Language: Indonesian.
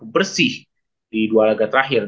bersih di dua laga terakhir